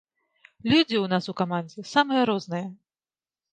Людзі ў нас у камандзе самыя розныя.